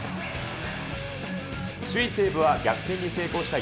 首位西武は、逆転に成功した